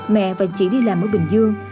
mẹ và chị đi làm ở bình dương